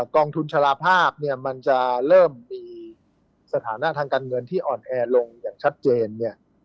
กองทุนชาลาภาพเนี่ยมันจะเริ่มมีสถานะทางการเงินที่อ่อนแอลงอย่างชัดเจนเนี่ย